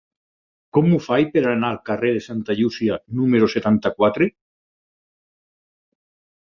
Com ho faig per anar al carrer de Santa Llúcia número setanta-quatre?